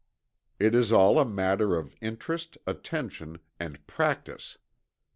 It is all a matter of interest, attention, and practice.